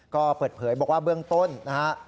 ก็เปิดเผยบอกว่าเบื้องต้นนะฮะ